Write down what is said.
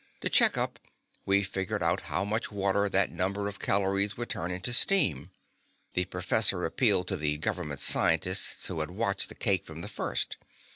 To check up, we figured out how much water that number of calories would turn into steam. The professor appealed to the government scientists who had watched the cake from the first.